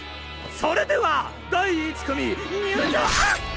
それでは第１組入場ォ！